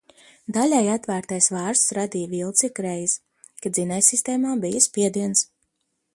Daļēji atvērtais vārsts radīja vilci ikreiz, kad dzinējsistēmā bija spiediens.